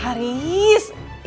haris sama tanti